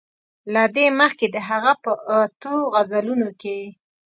له دې مخکې د هغه په اتو غزلونو کې.